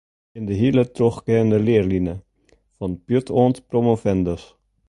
Yn de hiele trochgeande learline, ‘fan pjut oant promovendus’.